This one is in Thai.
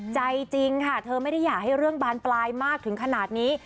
ใจจริงค่ะเธอไม่ได้อยากให้เรื่องบานปลายมากถึงขนาดนี้